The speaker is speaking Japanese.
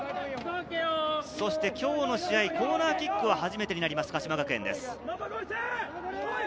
今日の試合、コーナーキックは初めてになります、鹿島学園です。